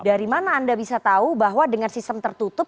dari mana anda bisa tahu bahwa dengan sistem tertutup